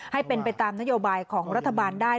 ให้เป็นไปตามนโยบายของรัฐบาลได้